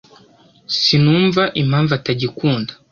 Sinumva impamvu atagikunda.